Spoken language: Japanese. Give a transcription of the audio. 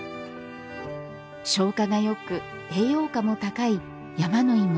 消化が良く栄養価も高いやまのいも。